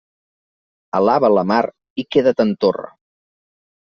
Alaba la mar i queda't en torre.